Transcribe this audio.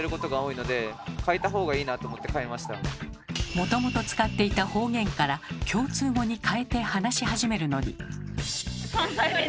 もともと使っていた方言から共通語にかえて話し始めるのに。